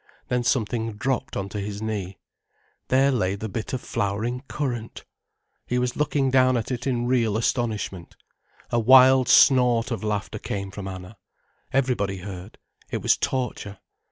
Then something dropped on to his knee. There lay the bit of flowering currant! He was looking down at it in real astonishment. A wild snort of laughter came from Anna. Everybody heard: it was torture.